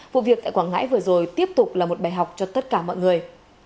vụ việc tại quảng ngãi vừa rồi tiếp tục là một bài học cho tất cả mọi người